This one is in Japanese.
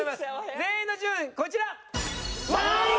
全員の順位こちら。